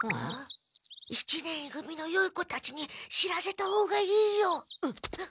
一年い組のよい子たちに知らせた方がいいよ！